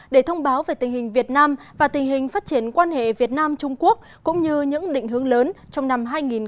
để thông báo về tình hình việt nam và tình hình phát triển quan hệ việt nam trung quốc cũng như những định hướng lớn trong năm hai nghìn hai mươi